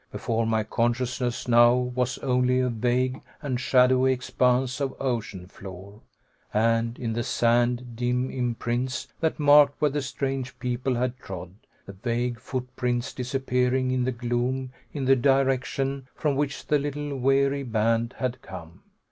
Before my consciousness now was only a vague and shadowy expanse of ocean floor, and in the sand dim imprints that marked where the strange people had trod, the vague footprints disappearing in the gloom in the direction from which the little weary band had come.